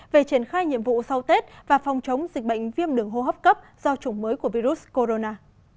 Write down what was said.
về triển khai nhiệm vụ sau tết và phòng chống dịch bệnh viêm đường hô hấp cấp do chủng mới của virus corona